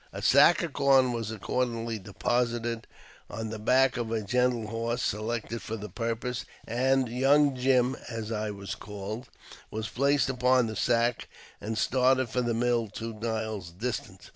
A sack of corn was accordingly deposited on the back of a gentle horse selected for the pur pose, and ''Young Jim" (as I was called) was placed upon the sack, and started for the mill two miles distant.